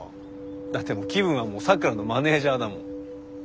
だってもう気分はもう咲良のマネージャーだもん。